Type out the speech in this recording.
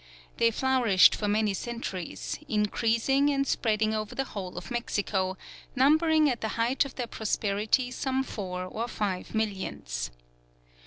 They flourished for many centuries, increasing and spreading over the whole of Mexico, numbering at the height of their prosperity some four or five millions.